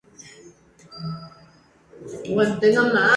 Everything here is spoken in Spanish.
Parlamento de Galicia e Real Academia Galega.